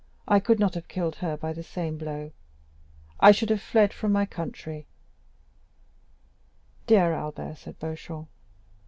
I could not have killed her by the same blow,—I should have fled from my country." "Dear Albert," said Beauchamp.